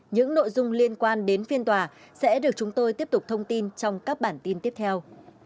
những nội dung liên quan đến phiên tòa sẽ được chúng tôi tiếp tục thông tin trong các bản tin tiếp theo